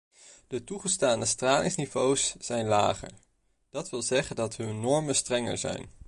De toegestane stralingsniveaus zijn lager, dat wil zeggen dat hun normen strenger zijn.